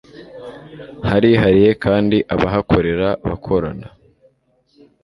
harihariye kandi abahakorera bakorana